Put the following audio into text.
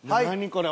これ。